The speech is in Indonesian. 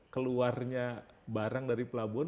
keluarnya barang dari pelabuhan